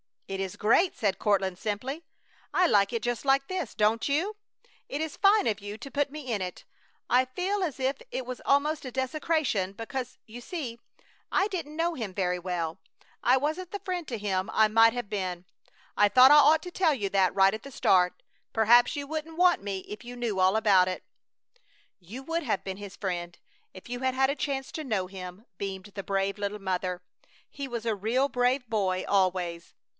"It is great!" said Courtland, simply. "I like it just like this. Don't you? It is fine of you to put me in it. I feel as if it was almost a desecration, because, you see, I didn't know him very well; I wasn't the friend to him I might have been. I thought I ought to tell you that right at the start. Perhaps you wouldn't want me if you knew all about it." "You would have been his friend if you had had a chance to know him," beamed the brave little mother. "He was a real brave boy always!"